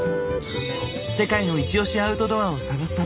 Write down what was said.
世界のイチオシアウトドアを探す旅。